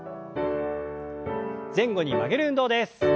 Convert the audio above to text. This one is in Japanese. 前後に曲げる運動です。